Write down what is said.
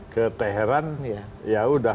ke teheran yaudah